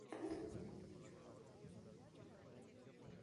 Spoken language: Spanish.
La planta surge del círculo y sus cuadrados circunscrito e inscrito.